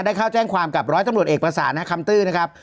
เข้าแจ้งความกับร้อยตำรวจเอกประสานนะครับคำตื้อนะครับ